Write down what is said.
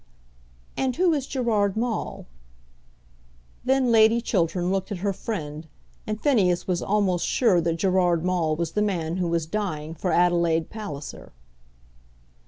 "And who is Gerard Maule?" Then Lady Chiltern looked at her friend, and Phineas was almost sure that Gerard Maule was the man who was dying for Adelaide Palliser.